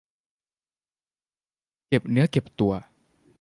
เก็บเนื้อเก็บตัว